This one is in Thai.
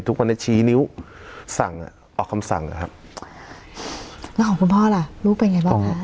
คนนี้ชี้นิ้วสั่งอ่ะออกคำสั่งนะครับแล้วของคุณพ่อล่ะลูกเป็นไงบ้างฮะ